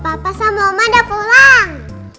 papa sama mama udah pulang